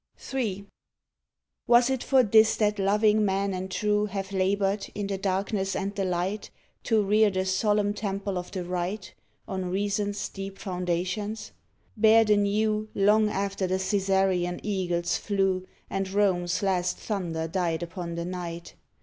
123 ON THE GREAT WAR III Was it for this that loving men and true Have labored in the darkness and the light To rear the solemn temple of the Right, On Reason s deep foundations, bared anew Long after the Caesarian eagles flew And Rome s last thunder died upon the Night?